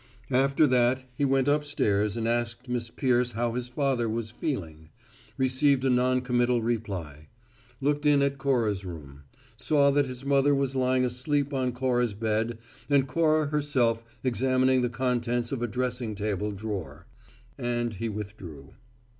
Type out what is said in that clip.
After that, he went upstairs and asked Miss Peirce how his father was "feeling," receiving a noncommital reply; looked in at Cora's room; saw that his mother was lying asleep on Cora's bed and Cora herself examining the contents of a dressing table drawer; and withdrew.